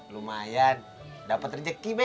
lumayan dapet rejeki be